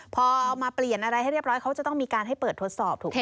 พอเอามาเปลี่ยนอะไรให้เรียบร้อยเขาจะต้องมีการให้เปิดทดสอบถูกไหม